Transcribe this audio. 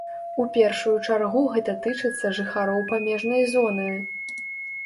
У першую чаргу гэта тычыцца жыхароў памежнай зоны.